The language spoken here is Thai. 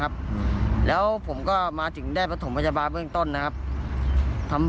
ครับแล้วผมก็มาถึงได้ประถมพยาบาลเบื้องต้นนะครับทำ